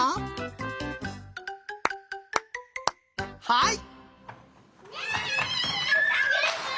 はい。